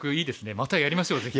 またやりましょうぜひ。